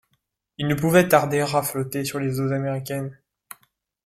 Il ne pouvait tarder à flotter sur les eaux américaines.